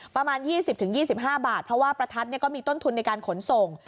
ประมาณ๒๐๒๕บาทเพราะว่าประทัดก็มีต้นทุนในการขนส่ง